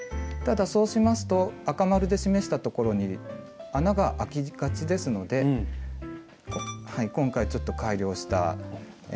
ただそうしますと赤丸で示したところに穴があきがちですので今回ちょっと改良した。